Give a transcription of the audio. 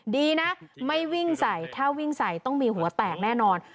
ดีนะไม่วิ่งใส่ถ้าวิ่งใส่ต้องมีหัวแตกแน่นอน